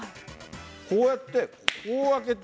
こうやって、こう開けて。